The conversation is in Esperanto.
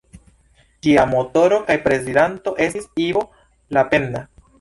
Ĝia motoro kaj prezidanto estis Ivo Lapenna.